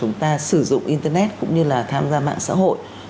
chúng ta sử dụng internet cũng như là tham gia mạng xã hội